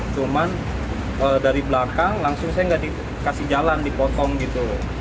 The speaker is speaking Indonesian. cuman dari belakang langsung saya nggak dikasih jalan dipotong gitu